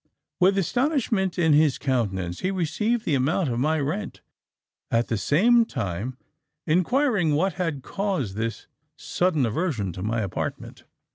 "With astonishment in his countenance, he received the amount of my rent, at the same time inquiring what had caused this sudden aversion to my apartment.